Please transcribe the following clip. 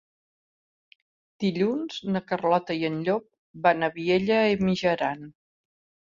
Dilluns na Carlota i en Llop van a Vielha e Mijaran.